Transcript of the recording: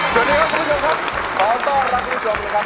สวัสดีครับคุณผู้ชมครับขอต้อนรับคุณผู้ชมนะครับ